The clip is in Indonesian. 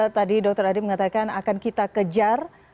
tadi dokter adi mengatakan akan kita kejar